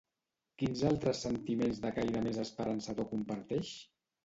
Quins altres sentiments de caire més esperançador comparteix?